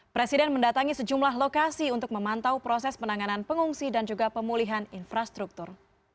presiden mendatangi sejumlah lokasi untuk memantau proses penanganan pengungsi dan juga pemulihan infrastruktur